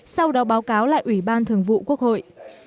sau đó báo cáo lại ủy ban thường vụ quốc hội